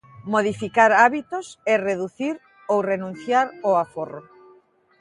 Modificar hábitos, e reducir ou renunciar ao aforro.